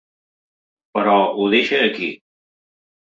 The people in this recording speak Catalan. Però ho deixa aquí.